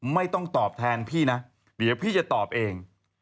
ไม่ต้องตอบแทนพี่นะเดี๋ยวพี่จะตอบเอง